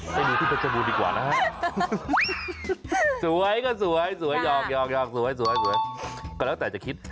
ไปดูที่เฟรชบูอีกกว่านะ